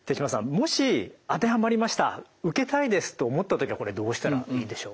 もし当てはまりました受けたいですと思った時はこれどうしたらいいでしょう？